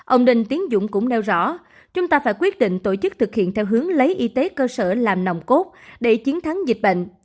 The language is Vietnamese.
ông đinh tiến dũng cũng nêu rõ chúng ta phải quyết định tổ chức thực hiện theo hướng lấy y tế cơ sở làm nòng cốt để chiến thắng dịch bệnh